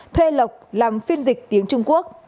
thuê lộc làm phiên dịch tiếng trung quốc